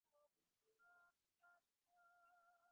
কমলা কহিল, ভালো জানি না মা!